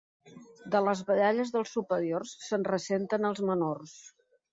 De les baralles dels superiors se'n ressenten els menors.